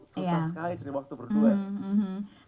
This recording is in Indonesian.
susah sekali jadi waktu berdua